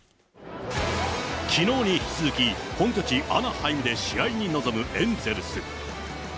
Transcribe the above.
きのうに引き続き、本拠地、アナハイムで試合に臨むエンゼルス。